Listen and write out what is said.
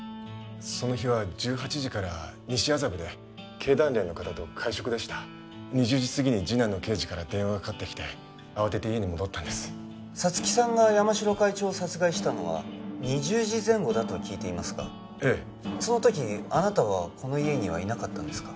その日は１８時から西麻布で経団連の方と会食でした２０時すぎに次男の敬二から電話があり慌てて家に戻りました皐月さんが山城会長を殺害したのは２０時前後だと聞いていますがそのときあなたはこの家にはいなかったんですか？